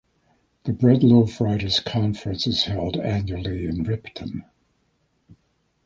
The Bread Loaf Writers' Conference is held annually in Ripton.